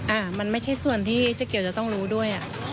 อ่ะมันไม่ใช่ส่วนที่เจ๊เกียวจะต้องรู้ด้วยอ่ะ